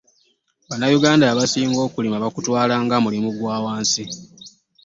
Bannayuganda abasinga okulima bakutwala nga mulimu gwa wansi .